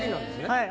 はい。